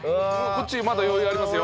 こっちまだ余裕ありますよ。